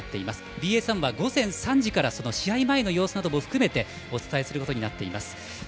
ＢＳ１は午前３時から試合前の様子なども含めてお伝えすることになっています。